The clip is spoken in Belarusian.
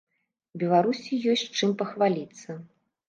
Беларусі ёсць чым пахваліцца.